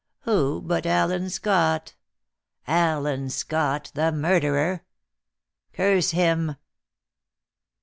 Who but Allen Scott Allen Scott, the murderer! Curse him!"